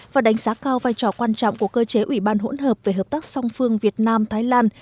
và đánh giá cao vai trò quan trọng của cơ chế ủy ban hỗn hợp về hợp tác song phương việt nam thái lan